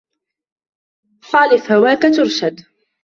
خالف هواك ترشد